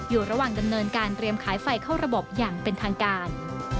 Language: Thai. อยู่ระหว่างดำเนินการเรียมขายไฟเข้าระบบอย่างเป็นทางการ